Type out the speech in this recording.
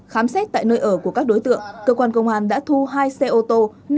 khám xét tại nơi ở của các đối tượng cơ quan công an đã thu hai xe ô tô